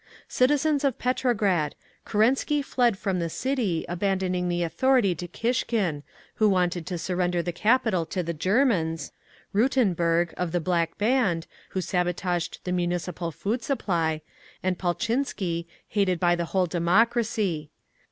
"Citizens of Petrograd! Kerensky fled from the city, abandoning the authority to Kishkin, who wanted to surrender the capital to the Germans; Rutenburg, of the Black Band, who sabotaged the Municipal Food Supply; and Paltchinsky, hated by the whole democracy.